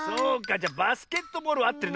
じゃバスケットボールはあってるな。